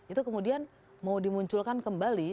itu kemudian mau dimunculkan kembali